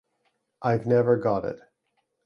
I’ve never got it.